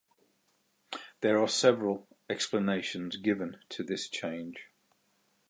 There are several explanations given to this change.